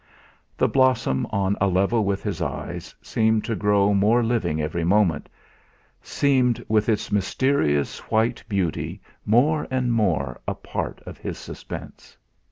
The blossom on a level with his eyes seemed to grow more living every moment, seemed with its mysterious white beauty more and more a part of his suspense.